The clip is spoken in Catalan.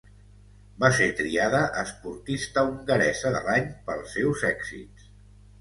Va ser triada esportista hongaresa de l'any pels seus èxits.